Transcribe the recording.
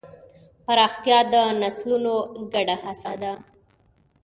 پراختیا د نسلونو ګډه هڅه ده.